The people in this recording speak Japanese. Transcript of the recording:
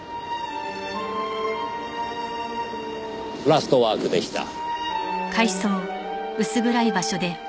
『ラストワーク』でした。